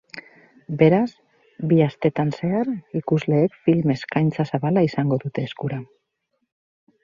Beraz, bi astetan zehar, ikusleek film eskaintza zabala izango dute eskura.